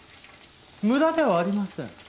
無駄ではありません。